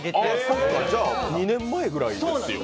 そっか、じゃあ２年前ぐらいですよね。